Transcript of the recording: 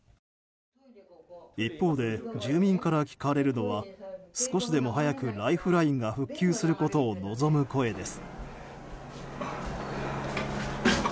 一方で住民から聞かれるのは少しでも早くライフラインが復旧することを望む声です。